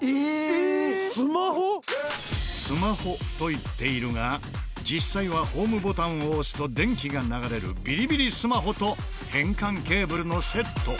「スマホ」と言っているが実際はホームボタンを押すと電気が流れるビリビリスマホと変換ケーブルのセット。